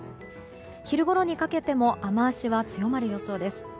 昼ごろにかけても雨脚は強まる予想です。